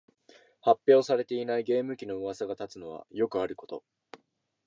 発表されていないゲーム機のうわさが立つのはよくあること